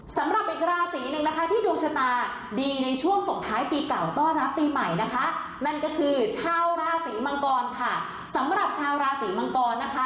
สำหรับอีกราศีหนึ่งนะคะที่ดวงชะตาดีในช่วงส่งท้ายปีเก่าต้อนรับปีใหม่นะคะนั่นก็คือชาวราศีมังกรค่ะสำหรับชาวราศีมังกรนะคะ